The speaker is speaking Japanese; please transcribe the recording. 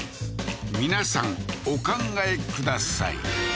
皆さんお考えください